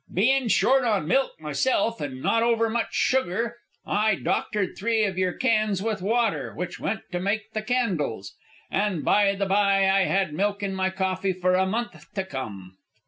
"Bein' short on milk myself, an' not over much sugar, I doctored three of your cans with water, which went to make the candles. An' by the bye, I had milk in my coffee for a month to come."